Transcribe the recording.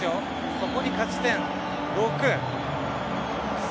そこに勝ち点６。